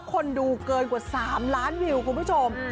คนดูเกินกว่าสามล้านวิวครับคุณผู้ชม